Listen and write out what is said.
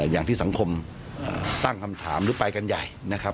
อย่างที่สังคมตั้งคำถามหรือไปกันใหญ่นะครับ